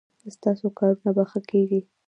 ستاسو کارونه به ښه کیږي